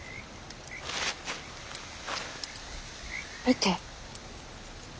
見て。